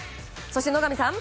そして野上さん